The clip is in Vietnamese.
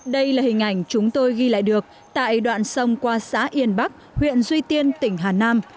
đây là hình ảnh chúng tôi ghi lại được tại đoạn sông qua xã yên bắc huyện duy tiên tỉnh hà nam